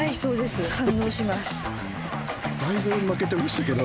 だいぶ負けてましたけど。